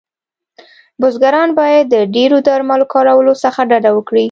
بزګران باید د ډیرو درملو کارولو څخه ډډه وکړی